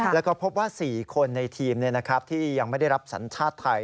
แล้วก็พบว่า๔คนในทีมที่ยังไม่ได้รับสัญชาติไทย